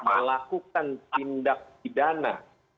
melakukan tindak pidana